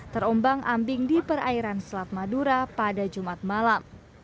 terombang ambing di perairan selat madura pada jumat malam